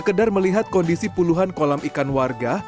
sekedar melihat kondisi puluhan kolam ikan warga